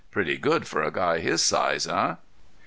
Pretty good for a guy his size, eh?